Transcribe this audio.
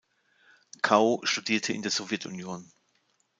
Cao studierte in der Sowjetunion.